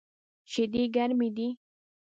شیدې ګرمی دی